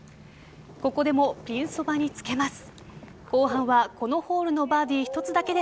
ここでもピンそばにつけます。